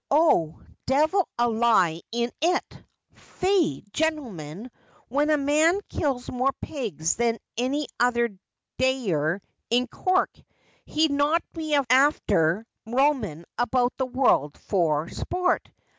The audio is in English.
'Oh, devil a lie in it! faix, gintlemen, when a man kills more pigs than any other dayler in Cork he'd not be afther roamin' about the world for sport.